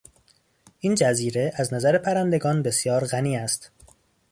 این جزیره از نظر پرندگان بسیار غنی است.